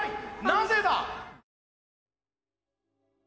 なぜだ！